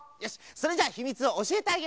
それじゃあひみつをおしえてあげましょう。